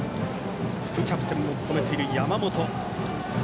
副キャプテンも務めている山本。